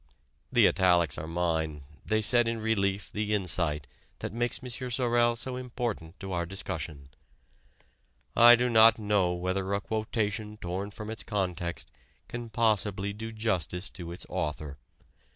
The italics are mine: they set in relief the insight that makes M. Sorel so important to our discussion. I do not know whether a quotation torn from its context can possibly do justice to its author.